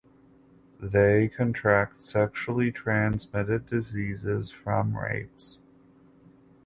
They contract sexually transmitted diseases from rapes.